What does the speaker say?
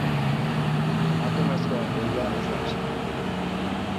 Emakumezkoen lehia ez da hasi.